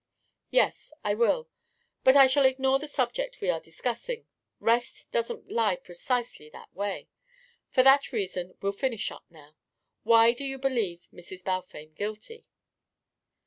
"Yes, I will; but I shall ignore the subject we are discussing rest doesn't lie precisely that way! For that reason we'll finish up now. Why do you believe Mrs. Balfame guilty?"